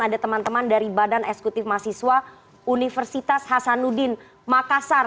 ada teman teman dari badan eksekutif mahasiswa universitas hasanuddin makassar